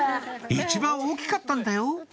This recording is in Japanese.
一番大きかったんだよ